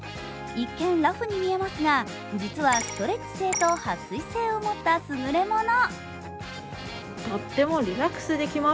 一見、ラフに見えますが実はストレッチ性とはっ水性を持ったすぐれもの。